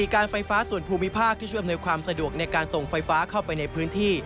การไฟฟ้าส่วนภูมิภาคที่ช่วยอำนวยความสะดวกในการส่งไฟฟ้าเข้าไปในพื้นที่